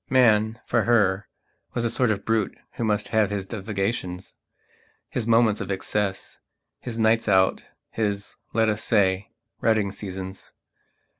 Man, for her, was a sort of brute who must have his divagations, his moments of excess, his nights out, his, let us say, rutting seasons.